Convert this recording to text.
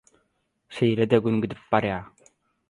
Şeýle-de Gün gidip barýa.